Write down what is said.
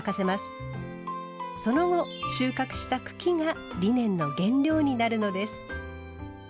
その後収穫した茎がリネンの原料になるのです。